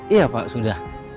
iya pak sudah